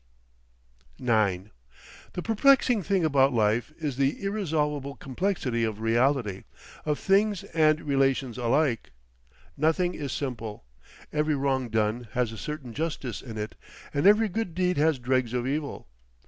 IX The perplexing thing about life is the irresolvable complexity of reality, of things and relations alike. Nothing is simple. Every wrong done has a certain justice in it, and every good deed has dregs of evil.